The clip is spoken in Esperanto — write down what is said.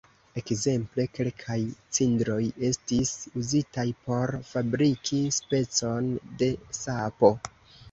Ekzemple kelkaj cindroj estis uzitaj por fabriki specon de sapo.